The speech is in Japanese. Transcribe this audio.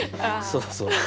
そうそう。